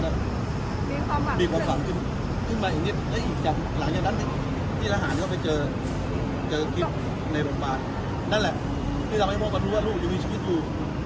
ทำให้พ่อมารู้ว่าลูกอยู่ในชีวิตอยู่